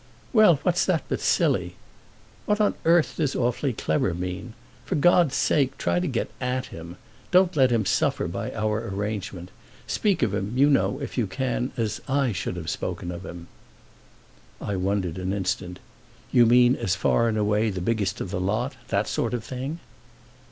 "Well, what's that but silly? What on earth does 'awfully clever' mean? For God's sake try to get at him. Don't let him suffer by our arrangement. Speak of him, you know, if you can, as I should have spoken of him." I wondered an instant. "You mean as far and away the biggest of the lot—that sort of thing?"